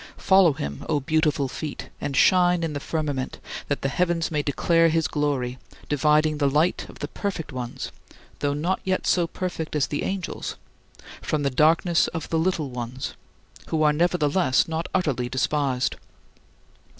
Follow him, O beautiful feet, and shine in the firmament, that the heavens may declare his glory, dividing the light of the perfect ones though not yet so perfect as the angels from the darkness of the little ones who are nevertheless not utterly despised.